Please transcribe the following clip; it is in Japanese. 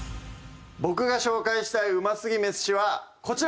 僕が紹介したい美味すぎメシはこちら！